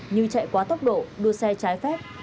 như chạy quá tốc độ đua xe trái phép